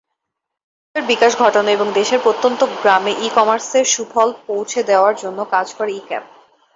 শিল্পের বিকাশ ঘটানো এবং দেশের প্রত্যন্ত গ্রামে ই-কমার্সের সুফল পৌছে দেওয়ার জন্য কাজ করে ই-ক্যাব।